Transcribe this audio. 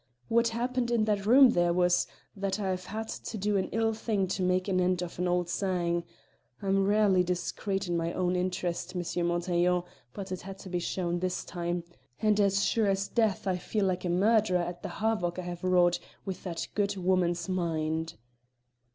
What happened in that room there was that I've had to do an ill thing and make an end of an auld sang. I'm rarely discreet in my own interest, M. Montaiglon, but it had to be shown this time, and as sure as death I feel like a murderer at the havoc I have wrought with that good woman's mind!"